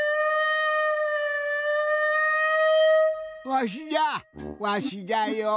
わしじゃわしじゃよ。